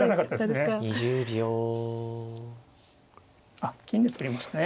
あっ金で取りましたね。